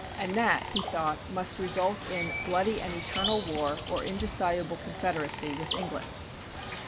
And that, he thought, must result in "bloody and eternal war or indissoluble confederacy" with England.